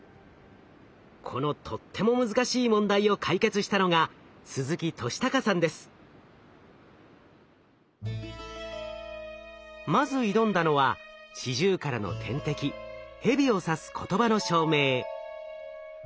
このとっても難しい問題を解決したのがまず挑んだのはシジュウカラの天敵ヘビを指す言葉の証明。